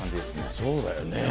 そうだよね。